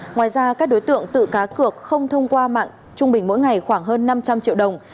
ngoài ra các đối tượng tự cá cược không thông qua mạng trung bình mỗi ngày khoảng hơn năm trăm linh triệu đồng